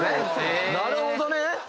なるほどね！